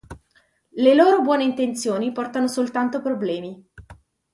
Le loro buone intenzioni portano soltanto problemi.